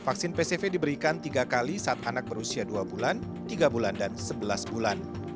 vaksin pcv diberikan tiga kali saat anak berusia dua bulan tiga bulan dan sebelas bulan